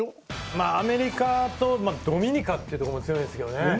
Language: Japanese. まあアメリカとドミニカってところも強いんですけどね。